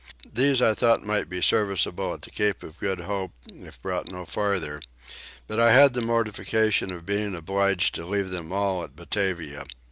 These I thought might be serviceable at the Cape of Good Hope if brought no farther: but I had the mortification of being obliged to leave them all at Batavia.